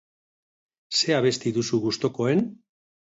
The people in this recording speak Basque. Ze abesti duzu gustokoen?